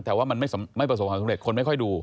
แต่ว่ามันไม่ประสบความสำเร็จคนไม่ค่อยดู